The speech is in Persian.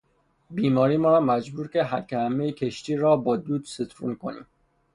بیماری ما را مجبور کرد که همهی کشتی را با دود سترون کنیم.